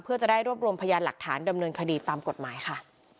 เพื่อจะได้รวบรวมพยานหลักฐานดำเนินคดีตามกฎหมายค่ะ